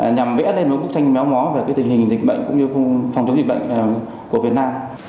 nhằm vẽ lên một bức tranh méo mó về tình hình dịch bệnh cũng như phòng chống dịch bệnh của việt nam